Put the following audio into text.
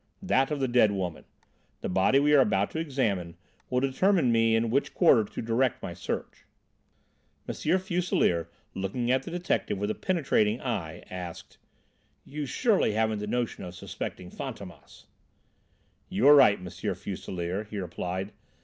"That of the dead woman. The body we are about to examine will determine me in which quarter to direct my search." M. Fuselier, looking at the detective with a penetrating eye, asked: "You surely haven't the notion of suspecting Fantômas?" "You are right, M. Fuselier," he replied.